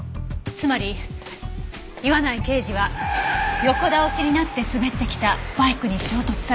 つまり岩内刑事は横倒しになって滑ってきたバイクに衝突されたって事。